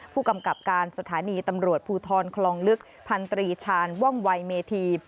ผู้กำกับการสถานีตำรวจภูทรคลองลึกพันธรีชาญว่องวัยเมธี